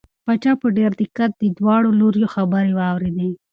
پاچا په ډېر دقت د دواړو لوریو خبرې واورېدې.